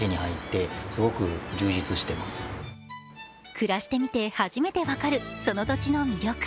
暮らしてみて初めて分かる、その土地の魅力。